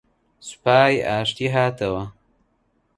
سوپای ئاشتی هاتەوە